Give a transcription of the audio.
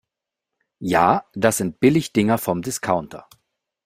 Ja, das sind Billigdinger vom Discounter.